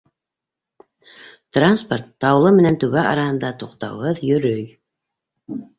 Транспорт Таулы менән Түбә араһында туҡтауһыҙ йөрөй.